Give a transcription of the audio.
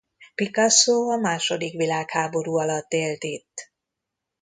Picasso a második világháború alatt élt itt.